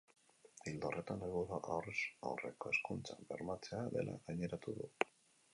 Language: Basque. Ildo horretan, helburua aurrez aurreko hezkuntza bermatzea dela gaineratu du.